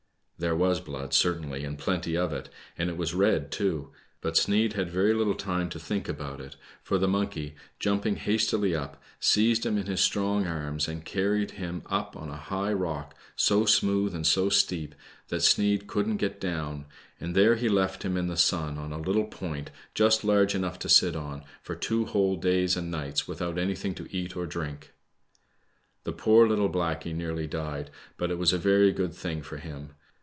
There was blood, certainly, and plenty of it, and it was red too ; but Sneid had very httle time to think 112 BLACK SNEID. about it, for the monkey, jumping hastily up, seized him in his strong arms and carried him up on a high rock, so smooth and so steep that Sneid couldn't get down, and there he left him in the sun on a little point just large enough to sit on, for two whole days and nights without anything to eat or drink. The poor little blackey nearly died, but it was a very good thing for him.